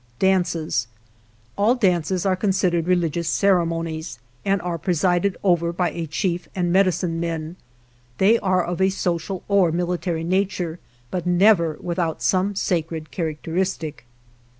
Dances All dances are considered religious cere monies and are presided over by a chief and medicine men. They are of a social or mili tary nature, but never without some sacred characteristic.